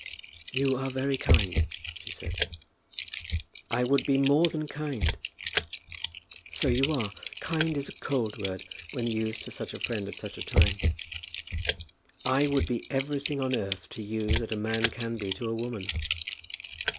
"You are very kind," she said. "I would be more than kind." "So you are. Kind is a cold word when used to such a friend at such a time." "I would be everything on earth to you that a man can be to a woman."